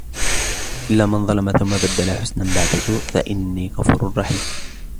إِلَّا مَنْ ظَلَمَ ثُمَّ بَدَّلَ حُسْنًا بَعْدَ سُوءٍ فَإِنِّي غَفُورٌ رَحِيمٌ